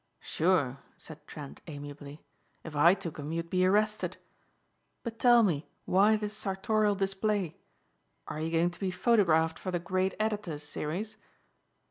"Sure," said Trent amiably, "if I took 'em you'd be arrested. But tell me why this sartorial display. Are you going to be photographed for the 'great editors' series?"